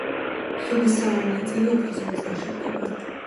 ხიდის სავალი ნაწილი ოთხი ზოლისაგან შედგება.